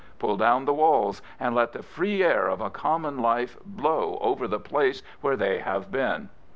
Pull down the walls and let the free air of a common life blow over the place where they have been."